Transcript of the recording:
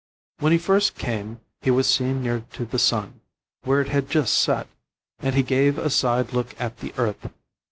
When he first came he was seen near to the sun, where it had just set, and he gave a side look at the earth.